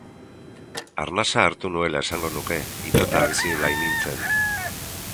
Arnasa hartu nuela esango nuke, itota bizi bainintzen.